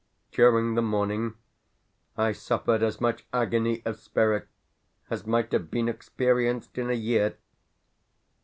During the morning I suffered as much agony of spirit as might have been experienced in a year.